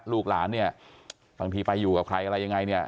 ลูกหลานเนี่ยบางทีไปอยู่กับใครอะไรยังไงเนี่ย